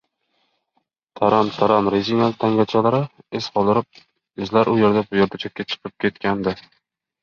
Taram-taram rezina tagcharmlar iz qoldirgan, izlar u er-bu erda chetga chiqib ketgandi